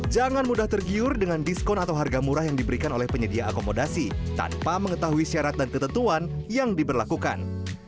jangan mudah tergiur dengan diskon atau harga murah yang diberikan oleh penyedia akomodasi tanpa mengetahui syarat dan ketentuan yang diberlakukan